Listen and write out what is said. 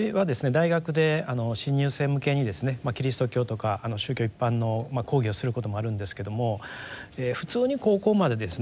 大学で新入生向けにですねキリスト教とか宗教一般の講義をすることもあるんですけども普通に高校までですね